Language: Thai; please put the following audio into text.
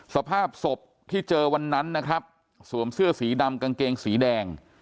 สภาพศพที่เจอวันนั้นนะครับสวมเสื้อสีดำกางเกงสีแดง